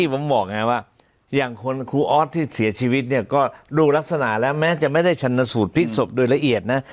ผมบอกไงว่าอย่างคนครูออสที่เสียชีวิตเนี่ยก็ดูลักษณะแล้วแม้จะไม่ได้ชันสูตรพลิกศพโดยละเอียดนะ